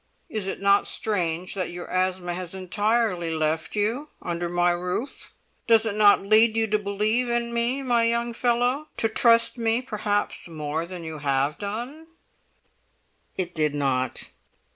Is it not strange that your asthma has entirely left you under my roof? Does it not lead you to believe in me, my young fellow—to trust me perhaps more than you have done?" It did not.